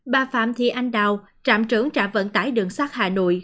bà phạm thị anh đào trạm trưởng trạm vận tải đường sắt hà nội